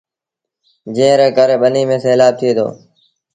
جݩهݩ ري ڪري ٻنيٚ ميݩ سيلآب ٿئي دو۔